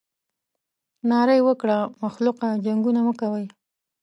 ناره یې وکړه مخلوقه جنګونه مه کوئ.